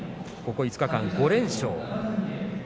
ここ５日間、５連勝。